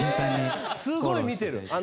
すごい見てる。